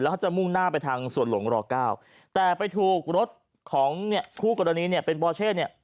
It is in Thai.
แล้วจะมุ่งหน้าไปทางส่วนหลงรอ๙แต่ไปถูกรถของคู่กรณีเป็นบอเช่น